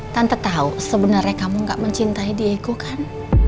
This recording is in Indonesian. tante tau sebenernya kamu gak mencintai diego kan